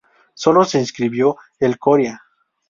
Sólo se inscribió el Coria.